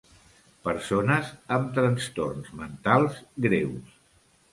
Persones amb trastorns mentals greus.